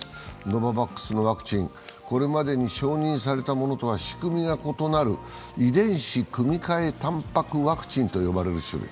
ノババックスのワクチン、これまでに承認されたものとは仕組みが異なる遺伝子組み換えたんぱくワクチンと呼ばれる種類。